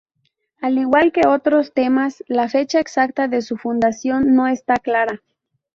Al igual que otros Themas, la fecha exacta de su fundación no está clara.